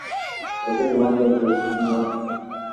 Wazee ni watu wa kuheshimiwa